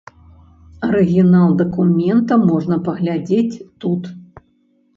Арыгінал дакумента можна паглядзець тут.